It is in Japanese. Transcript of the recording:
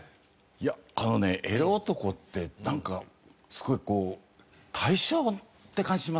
いやあのねエロ男ってなんかすごいこう大正って感じしません？